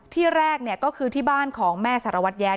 ที่แรกก็คือที่บ้านของแม่สารวัตรแย้